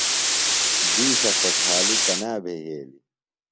دِیشہ خوشحالیۡ کنا بھےۡ یھیلیۡ؟